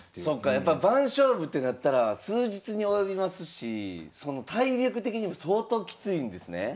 そっかやっぱ番勝負ってなったら数日に及びますし体力的にも相当きついんですね？